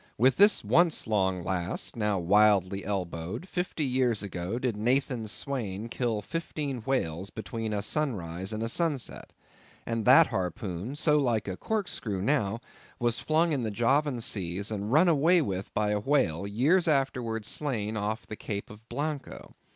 With this once long lance, now wildly elbowed, fifty years ago did Nathan Swain kill fifteen whales between a sunrise and a sunset. And that harpoon—so like a corkscrew now—was flung in Javan seas, and run away with by a whale, years afterwards slain off the Cape of Blanco.